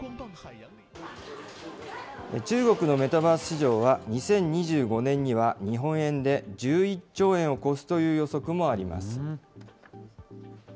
中国のメタバース市場は、２０２５年には日本円で１１兆円を超すという予測もあります。